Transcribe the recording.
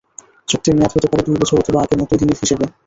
চুক্তির মেয়াদ হতে পারে দুই বছর অথবা আগের মতোই দিনের হিসেবে।